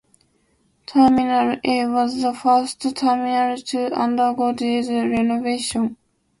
Terminal A was the first terminal to undergo these renovations.